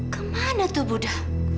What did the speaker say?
kemana itu buddha